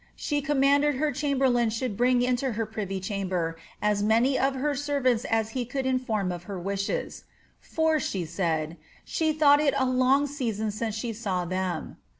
She commanded her chamberlain should bring ^lo her privy chamber as many of her servants as he could inform of her wishes ;^ for,' she said, ^ she thought it a long season since she saw them.